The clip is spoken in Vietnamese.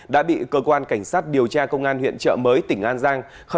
đã bị cơ quan cảnh sát điều tra công an huyện trợ mới tỉnh an giang